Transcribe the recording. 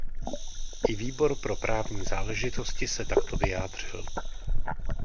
I Výbor pro právní záležitosti se takto vyjádřil.